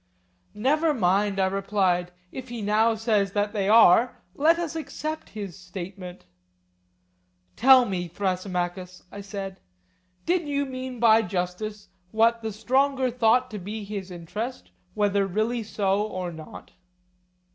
Never mind, I replied, if he now says that they are, let us accept his statement. Tell me, Thrasymachus, I said, did you mean by justice what the stronger thought to be his interest, whether really so or not?